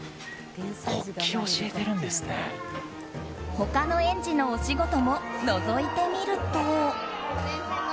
他の園児のおしごとものぞいてみると。